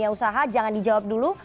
dunia usaha jangan dijawab dulu